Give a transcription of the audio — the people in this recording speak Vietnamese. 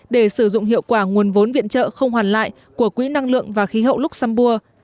để sử dụng hiệu quả nguồn vốn viện trợ không hoàn lại của quỹ năng lượng và khí hậu luxembourg